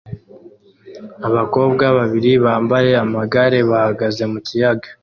Abakobwa babiri bambaye amagare bahagaze mu kiyaga